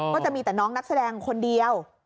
ก็จะมีแต่น้องนักแสดงคนเดียว